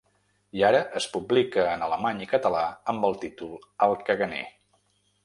I ara es publica en alemany i català amb el títol El caganer.